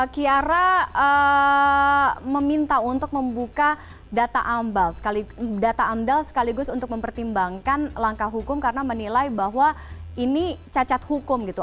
kiara meminta untuk membuka data amdal sekaligus untuk mempertimbangkan langkah hukum karena menilai bahwa ini cacat hukum gitu